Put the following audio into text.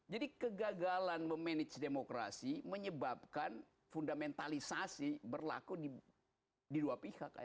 jadi kegagalan memanage demokrasi menyebabkan fundamentalisasi berlaku di dua pihak